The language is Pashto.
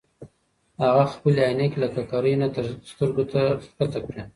هغه خپلې عینکې له ککرۍ نه سترګو ته ښکته کړې.